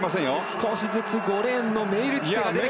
少しずつ５レーンのメイルティテ。